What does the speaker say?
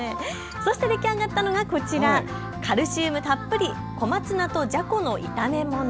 そして出来上がったのがこちら、カルシウムたっぷり小松菜とじゃこの炒め物。